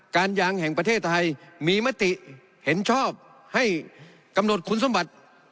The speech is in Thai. การยางแห่งประเทศไทยมีมติเห็นชอบให้กำหนดคุณสมบัติ